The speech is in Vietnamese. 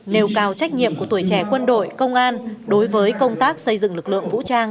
nêu cao trách nhiệm của tuổi trẻ quân đội công an đối với công tác xây dựng lực lượng vũ trang